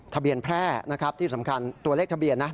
แพร่นะครับที่สำคัญตัวเลขทะเบียนนะ